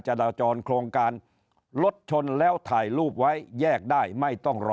จราจรโครงการรถชนแล้วถ่ายรูปไว้แยกได้ไม่ต้องรอ